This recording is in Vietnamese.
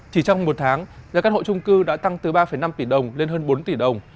chỉ trong một tháng giá các hộ trung cư đã tăng từ ba năm tỷ đồng lên hơn bốn tỷ đồng